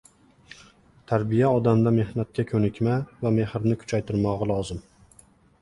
Tarbiya odamda mehnatga ko‘nikma va mehrni kuchaytirmog‘i lozim